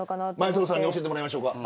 前園さんに教えてもらいましょう。